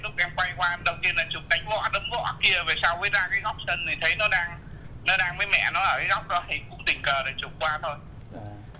thì cũng tình cờ để chụp qua thôi